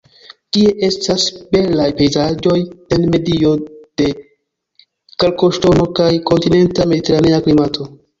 Tie estas belaj pejzaĝoj en medio de kalkoŝtono kaj kontinenta-mediteranea klimato.